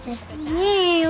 いいよ